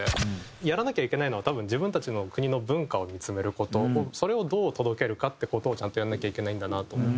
やらなきゃいけないのは多分自分たちの国の文化を見つめる事それをどう届けるかって事をちゃんとやらなきゃいけないんだなと思って。